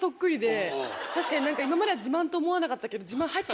確かに何か今までは自慢と思わなかったけど。